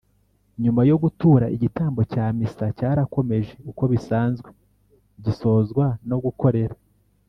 nyuma yo gutura, igitambo cya missa cyarakomeje uko bisanzwe gisozwa no gukorera